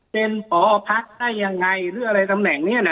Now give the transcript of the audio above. เป็นผอพักได้ยังไงหรืออะไรตำแหน่งนี้นะ